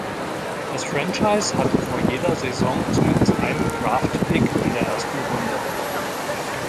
Das Franchise hatte vor jeder Saison zumindest einen Draft-Pick in der ersten Runde.